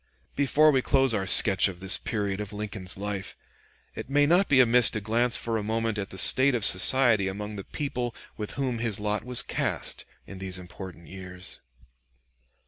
Before we close our sketch of this period of Lincoln's life, it may not be amiss to glance for a moment at the state of society among the people with whom his lot was cast in these important years.